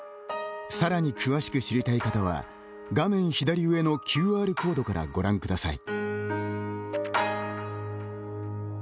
さらに詳しく知りたい方は画面左上のＱＲコードからご覧ください。